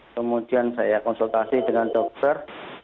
kemudian saya konsultasi dengan dokter